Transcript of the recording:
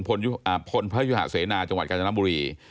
พลพยุหะเสนาจังหวัดกาญจนบุรี